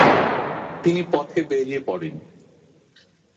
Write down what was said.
তিনি পথে বেরিয়ে পড়েন।